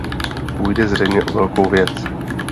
Půjde zřejmě o velkou věc.